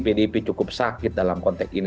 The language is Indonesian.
pdip cukup sakit dalam konteks ini